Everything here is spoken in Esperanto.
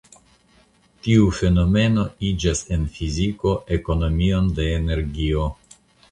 Tiu fenomeno iĝas en fiziko ekonomion de energio.